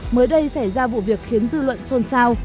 mới đây xảy ra vụ việc khiến dư luận xôn xao